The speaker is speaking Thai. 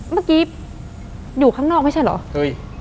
เมื่อกี้อยู่ข้างนอกไม่ใช่เหรอเฮ้ย